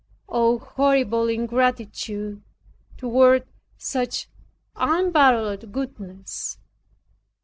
Oh, horrible ingratitude toward such unparalleled goodness."